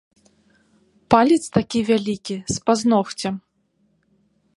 Палец такі вялікі, з пазногцем.